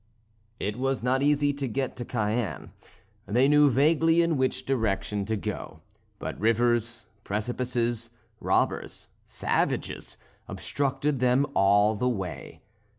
It was not easy to get to Cayenne; they knew vaguely in which direction to go, but rivers, precipices, robbers, savages, obstructed them all the way.